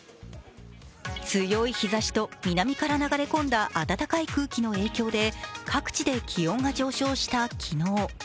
強い日ざしと南から流れ込んだ暖かい空気の影響で、各地で気温が上昇した昨日。